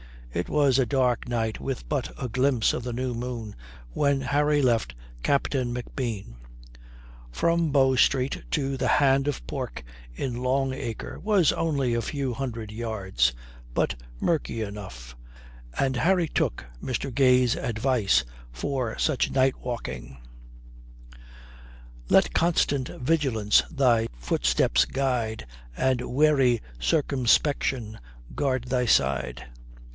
It was a dark night with but a glimpse of the new moon when Harry left Captain McBean. From Bow Street to the "Hand of Pork" in Long Acre was only a few hundred yards, but murky enough, and Harry took Mr. Gay's advice for such night walking: "Let constant Vigilance thy footsteps guide, And wary Circumspection guard thy side."